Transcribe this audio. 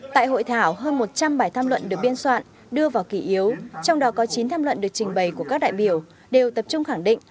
tại hội thảo hơn một trăm linh bài tham luận được biên soạn đưa vào kỷ yếu trong đó có chín tham luận được trình bày của các đại biểu đều tập trung khẳng định